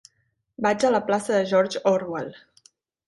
Vaig a la plaça de George Orwell.